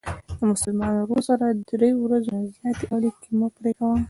د مسلمان ورور سره له درې ورځو نه زیاتې اړیکې مه پری کوه.